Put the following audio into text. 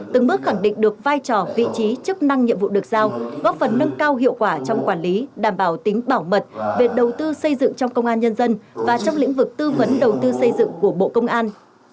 từng bước khẳng định được vai trò vị trí chức năng nhiệm vụ được giao góp phần nâng cao hiệu quả trong quản lý đảm bảo tính bảo mật về đầu tư xây dựng trong công an nhân dân và trong lĩnh vực tư vấn đầu tư xây dựng của bộ công an